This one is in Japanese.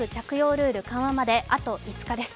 ルール緩和まであと５日です。